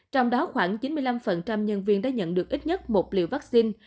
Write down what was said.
trong đó khoảng chín mươi năm nhân viên đã nhận được ít nhất một liều vaccine